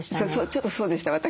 ちょっとそうでした私。